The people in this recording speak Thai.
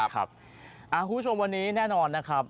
คุณผู้ชมวันนี้แน่นอนนะครับ